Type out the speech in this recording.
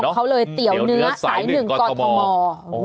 เป็นของเขาเลยเตี๋ยวเนื้อสายหนึ่งก่อนทะมอด